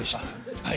はい。